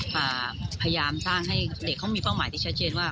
พยายามสร้างให้เด็กเขามีเป้าหมายที่ชัดเจนว่า